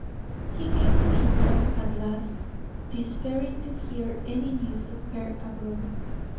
He came to England at last, despairing to hear any news of her abroad.